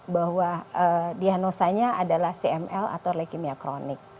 bahwa diagnosanya adalah cml atau leukemia kronik